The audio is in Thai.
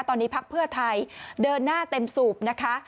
ตอนนี้พักเพื่อไทยเดินหน้าเต็มสูบนะคะ